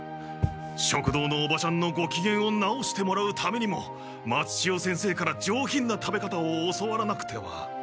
食堂のおばちゃんのごきげんを直してもらうためにも松千代先生から上品な食べ方を教わらなくては。